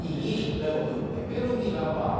大悟くん「ペパロニラバー」。